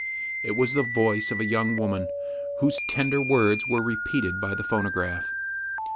" It was the voice of a young woman, whose ten der words were repeated by the phonograph.